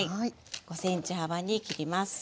５ｃｍ幅に切ります。